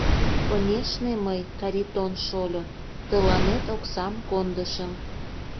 Конешне, мый, Каритон шольо, тыланет оксам кондышым.